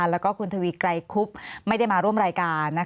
แล้วก็คุณทวีไกรคุบไม่ได้มาร่วมรายการ